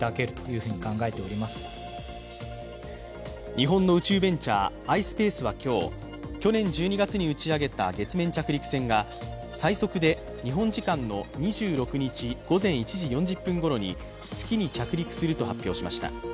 日本の宇宙ベンチャーｉｓｐａｃｅは今日、去年１２月に打ち上げた月面着陸船が最速で日本時間の２６日午前１時４０分ごろに月に着陸すると発表しました。